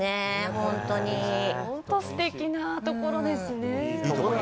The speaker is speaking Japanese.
本当に素敵なところですね。